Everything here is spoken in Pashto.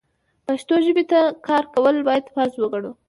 پښتو ژبې ته کار کول بايد فرض وګڼو.